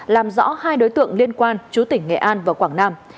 làm rõ hai đối tượng liên quan chú tỉnh nghệ an và quảng nam